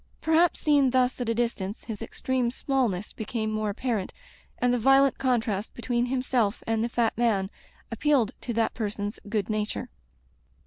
Perhaps, seen thus at a distance, his extreme smallness became more apparent, and the violent contrast between himself and the fat man appealed to that person's good nature.